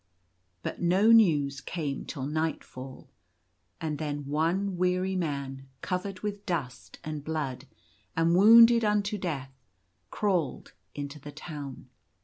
But no news came till nightfall ; and then one weary man, covered with dust and biood, and wounded unto death, crawled into the town.